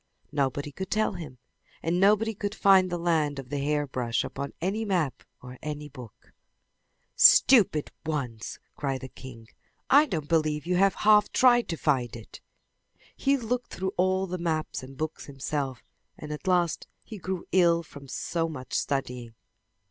Nobody could tell him, and nobody could find the land of the hairbrush upon any map or in any book. "Stupid ones!" cried the king. "I don't believe you have half tried to find it!" He looked through all the maps and books himself and at last he grew ill from so much studying.